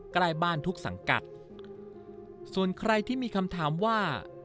ใกล้บ้านทุกสังกัดส่วนใครที่มีคำถามว่า